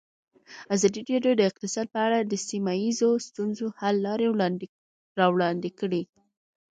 ازادي راډیو د اقتصاد په اړه د سیمه ییزو ستونزو حل لارې راوړاندې کړې.